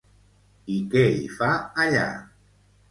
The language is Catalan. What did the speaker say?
I què hi fa allà?